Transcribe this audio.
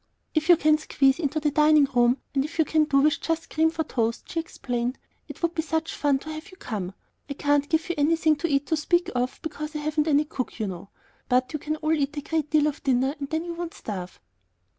"If you can squeeze into the dining room, and if you can do with just cream toast for tea," she explained, "it would be such fun to have you come. I can't give you anything to eat to speak of, because I haven't any cook, you know; but you can all eat a great deal of dinner, and then you won't starve."